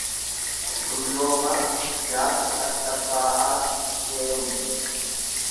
dulloomaa; Jaarsa qarcabbaa'aatti heerumte.